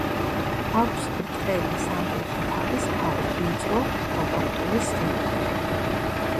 აქვს ბრტყელი, სამკუთხა თავის ქალა, ვიწრო, კომპაქტური სხეული.